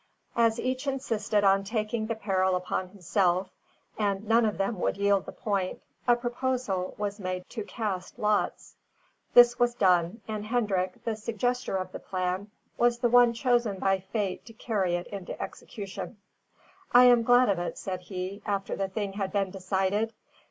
As each insisted on taking the peril upon himself, and none of them would yield the point, a proposal was made to cast lots. This was done; and Hendrik, the suggester of the plan, was the one chosen by fate to carry it into execution. "I am glad of it," said he, after the thing had been decided.